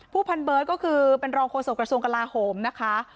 ผู้พันเบิร์ดก็คือเป็นรองโครโสกระทรวงกราฮมนะคะ